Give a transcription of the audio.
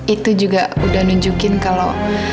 itu juga udah nunjukin kalau